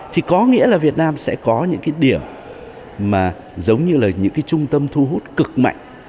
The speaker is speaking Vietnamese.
thì có nghĩa là việt nam sẽ có những cái điểm mà giống như là những cái trung tâm thu hút cực mạnh